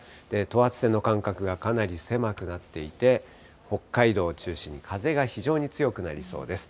等圧線の間隔がかなり狭くなっていて、北海道を中心に風が非常に強くなりそうです。